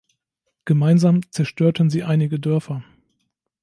Gemeinsam zerstörten sie einige Dörfer.